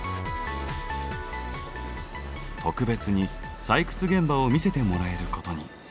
特別に採掘現場を見せてもらえることに。